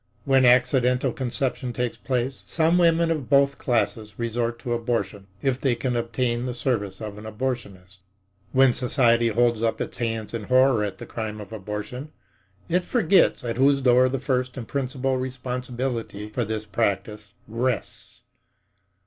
When accidental conception takes place, some women of both classes resort to abortion if they can obtain the services of an abortionist. When society holds up its hands in horror at the "crime" of abortion, it forgets at whose door the first and principal responsibility for this practice rests.